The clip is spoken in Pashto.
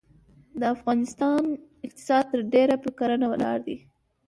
د افغانستان اقتصاد ترډیره پرکرهڼه ولاړ دی.